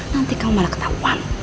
nanti kamu malah ketahuan